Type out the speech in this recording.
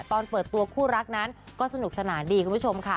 ตอนเปิดตัวคู่รักนั้นก็สนุกสนานดีคุณผู้ชมค่ะ